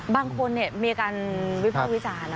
บางคนมีการวิภาควิจารณ์